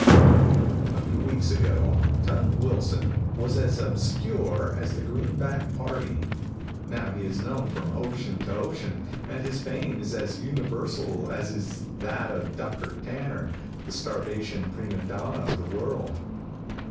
A few weeks ago, Tug Wilson was as obscure as the greenback party. Now he is known from ocean to ocean, and his fame is as universal as is that of Dr. Tanner, the starvation prima donna of the world.